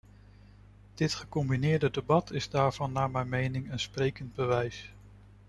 Dit gecombineerde debat is daarvan naar mijn mening een sprekend bewijs.